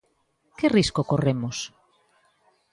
Que risco corremos?